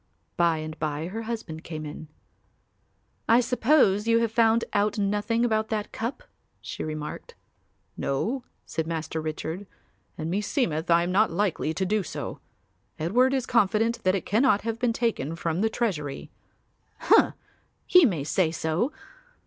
By and by her husband came in. "I suppose you have found out nothing about that cup," she remarked. "No," said Master Richard, "and meseemeth I am not likely to do so. Edward is confident that it cannot have been taken from the treasury." "Humph! He may say so.